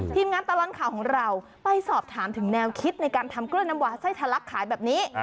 งานตลอดข่าวของเราไปสอบถามถึงแนวคิดในการทำกล้วยน้ำวาไส้ทะลักขายแบบนี้